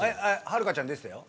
はるかちゃん出てたよ。